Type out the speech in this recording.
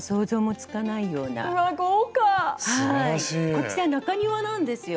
こちら中庭なんですよ。